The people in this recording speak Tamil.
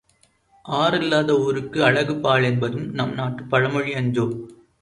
ஆறில்லாத ஊருக்கு அழகு பாழ் என்பதும் நம் நாட்டுப் பழமொழி அன்றோ!